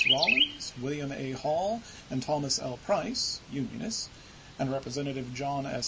Rol lins, William A. Hall, and Thomas L. Price, Union ists, and Representative John S.